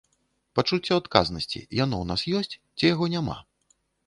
Пачуццё адказнасці, яно ў нас ёсць ці яго няма?